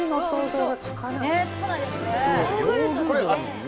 ねっつかないですね